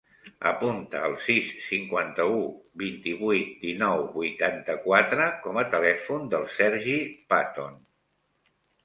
Apunta el sis, cinquanta-u, vint-i-vuit, dinou, vuitanta-quatre com a telèfon del Sergi Paton.